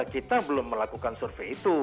kita belum melakukan survei itu